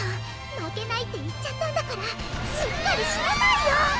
負けないって言っちゃったんだからしっかりしなさいよ